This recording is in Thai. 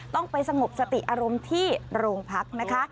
ต้องไปสงบสติอารมณ์ที่โรงพักนะคะ